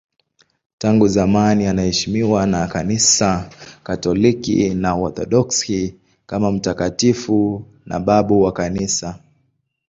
Tangu zamani anaheshimiwa na Kanisa Katoliki na Waorthodoksi kama mtakatifu na babu wa Kanisa.